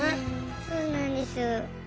そうなんです。